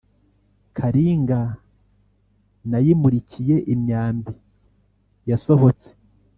Kalinga nayimulikiye imyambi yasohotse,